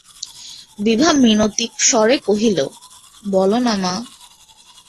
বিভা মিনতিস্বরে কহিল, বলো না মা।